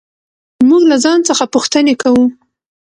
موږ له ځان څخه پوښتنې کوو.